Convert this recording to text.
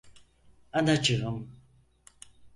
Anacığım!